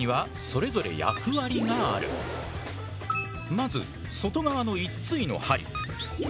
まず外側の１対の針。